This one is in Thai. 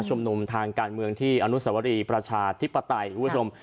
ชุมนุมทางการเมืองที่อนุสวรีประชาธิปไตยคุณผู้ชม